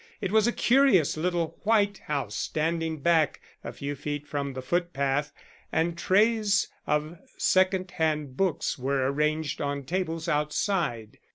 It was a curious little white house standing back a few feet from the footpath, and trays of second hand books were arranged on tables outside.